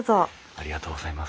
ありがとうございます。